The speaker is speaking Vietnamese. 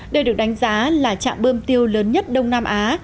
đây được đánh giá là trạm bơm tiêu lớn nhất đông nam á